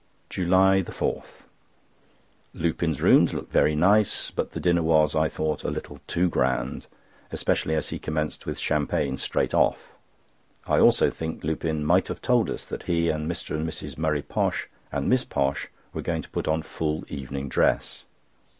JULY 4.—Lupin's rooms looked very nice; but the dinner was, I thought, a little too grand, especially as he commenced with champagne straight off. I also think Lupin might have told us that he and Mr. and Mrs. Murray Posh and Miss Posh were going to put on full evening dress.